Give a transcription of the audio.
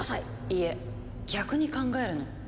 いえ逆に考えるの。